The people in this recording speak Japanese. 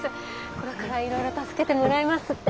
これからいろいろ助けてもらいますって。